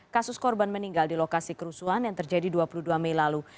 kasus korban meninggal di lokasi kerusuhan yang terjadi dua puluh dua mei lalu